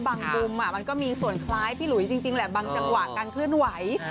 มุมมันก็มีส่วนคล้ายพี่หลุยจริงแหละบางจังหวะการเคลื่อนไหว